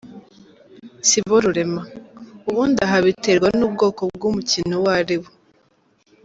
Siborurema: Ubundi aha biterwa n’ubwoko bw’umukino uwo ariwo.